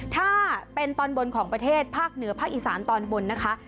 ถ้าเป็นตอนบนของประเทศภาคเหนือภาคอีสานตอนบนนะคะ